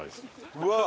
うわっ！